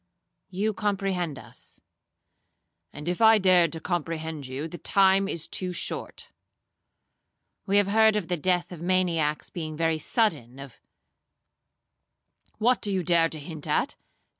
'—'You comprehend us.'—'And if I dared to comprehend you, the time is too short,'—'We have heard of the death of maniacs being very sudden, of—' 'What do you dare to hint at?'